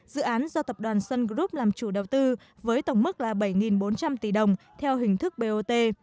dự án do tập đoàn sun group làm chủ đầu tư với tổng mức là bảy bốn trăm linh tỷ đồng theo hình thức bot